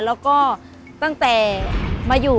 แล้วก็ตั้งแต่มาอยู่